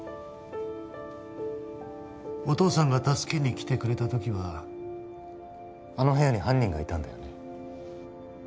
お父さんが助けに来てくれた時はあの部屋に犯人がいたんだよね？